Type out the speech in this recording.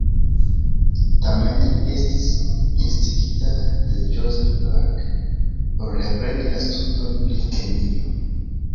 Tamen, li estis instigita de Joseph Black por repreni la studon pri kemio.